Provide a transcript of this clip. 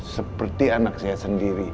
seperti anak saya sendiri